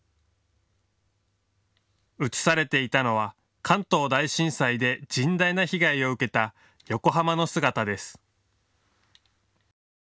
写されていたのは関東大震災で甚大な被害を受けた横浜の姿です。